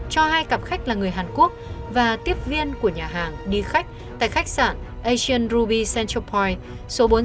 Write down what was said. cho hai cặp khách là người hàn quốc và tiếp viên của nhà hàng đi khách tại khách sạn asian ruby central point